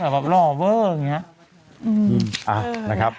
หรอเวอร์